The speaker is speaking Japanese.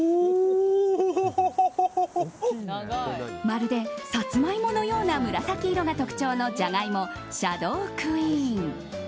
まるでサツマイモのような紫色が特徴のジャガイモシャドークイーン。